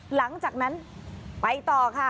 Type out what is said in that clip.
หลังจากนั้นไปต่อค่ะ